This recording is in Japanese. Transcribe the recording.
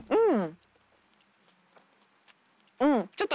うん。